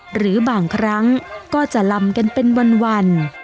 หรือบางครั้งก็จะลำกันเป็นวัน